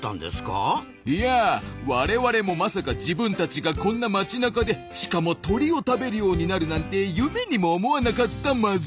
いやあ我々もまさか自分たちがこんな街なかでしかも鳥を食べるようになるなんて夢にも思わなかったマズ。